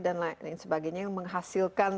dan lain sebagainya yang menghasilkan